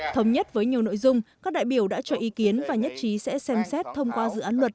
thống nhất với nhiều nội dung các đại biểu đã cho ý kiến và nhất trí sẽ xem xét thông qua dự án luật